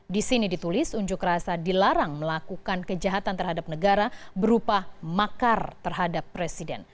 di sini ditulis unjuk rasa dilarang melakukan kejahatan terhadap negara berupa makar terhadap presiden